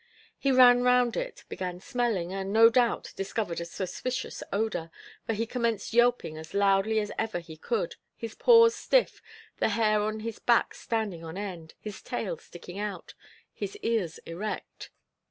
He ran round it, began smelling, and no doubt, discovered a suspicious odor, for he commenced yelping as loudly as ever he could, his paws stiff, the hair on his back standing on end, his tail sticking out, and his ears erect.